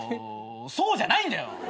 そうじゃないんだよ！